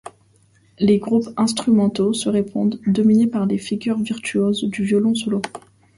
Les groupes instrumentaux se répondent, dominés par les figures virtuoses du violon solo.